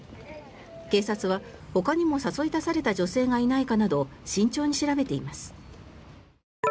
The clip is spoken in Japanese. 警察は、ほかにも誘い出された女性がいないかなど慎重に調べています。